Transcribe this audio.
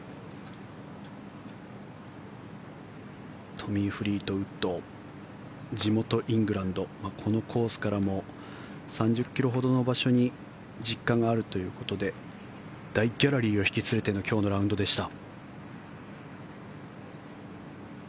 トミー・フリートウッド地元イングランドこのコースからも３０ｋｍほどの場所に実家があるということで大ギャラリーを引き連れての今日のラウンドでした。